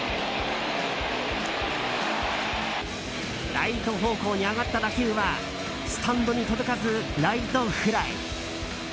ライト方向に上がった打球はスタンドに届かず、ライトフライ。